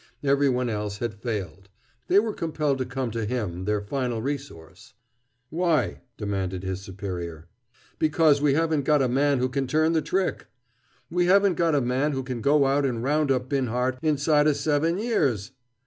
Every one else had failed. They were compelled to come to him, their final resource. "Why?" demanded his superior. "Because we haven't got a man who can turn the trick! We haven't got a man who can go out and round up Binhart inside o' seven years!"